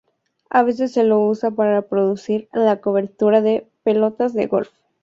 A veces se lo usa para producir la cobertura de pelotas de golf.